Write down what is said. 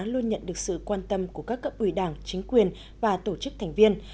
luôn nhận được sự quan tâm của các cấp ủy đảng chính quyền và tổ chức thành viên